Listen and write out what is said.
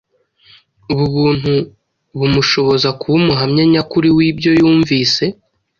Ubu buntu bumushoboza kuba umuhamya nyakuri w’ibyo yumvise.